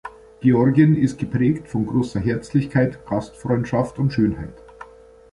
Georgien ist geprägt von großer Herzlichkeit, Gastfreundschaft und Schönheit.